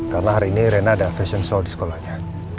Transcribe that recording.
karena hari ini rina ada fashion show di sekolahnya